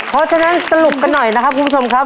เพราะฉะนั้นสรุปกันหน่อยนะครับคุณผู้ชมครับ